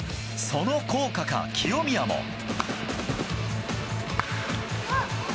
その効果か、清宮も。